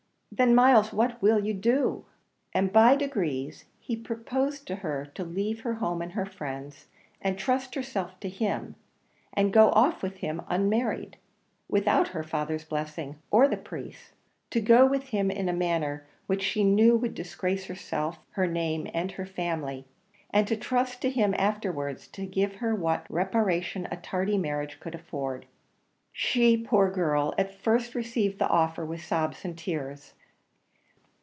"Then, Myles, what will you do?" And by degrees he proposed to her to leave her home and her friends, and trust herself to him, and go off with him unmarried, without her father's blessing, or the priest's to go with him in a manner which she knew would disgrace herself, her name, and her family, and to trust to him afterwards to give her what reparation a tardy marriage could afford. She, poor girl, at first received the offer with sobs and tears.